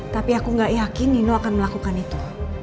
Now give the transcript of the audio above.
tapi aku gak yakin nino akan melakukan itu